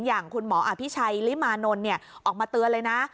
อย่างคุณหมออภิชัยลิมานนท์ออกมาเตือนเลยนะ